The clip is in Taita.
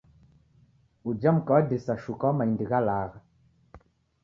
Uja mka wadisa shuka wa maindi gha lagha.